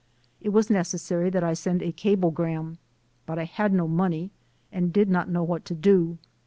It was necessary that I send a cablegram, but I had no money, and did not know what to do.